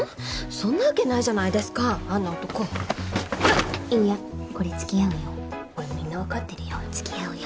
そんなわけないじゃないですかあんな男いやこれつきあうよこれみんな分かってるよつきあうよ